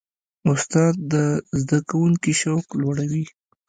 استاد د زده کوونکي شوق لوړوي.